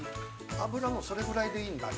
◆油もそれぐらいでいいんだ。